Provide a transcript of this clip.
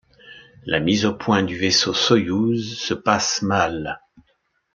La mise au point du vaisseau Soyouz se passe mal.